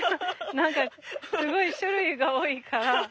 何かすごい種類が多いから。